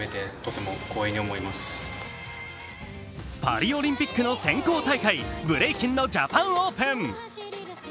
パリオリンピックの選考大会ブレイキンのジャパンオープン。